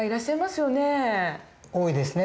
多いですね。